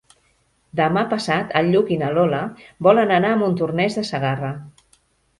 Demà passat en Lluc i na Lola volen anar a Montornès de Segarra.